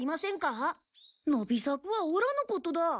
のび作はオラのことだ。